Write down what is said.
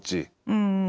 うん。